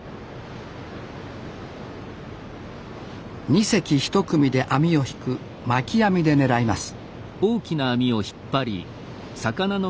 ２隻１組で網を引く巻き網で狙います